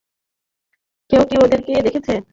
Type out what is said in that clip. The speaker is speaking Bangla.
কেউ কি ওদেরকে দেখেছে?